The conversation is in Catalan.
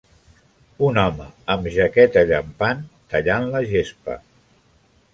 Un home amb jaqueta llampant tallant la gespa.